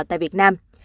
tại việt nam